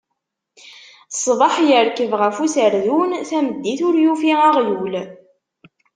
Ṣṣbeḥ irkeb ɣef userdun, tameddit ur yufi aɣyul.